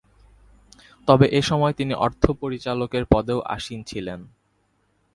তবে এসময় তিনি অর্থ পরিচালকের পদেও আসীন ছিলেন।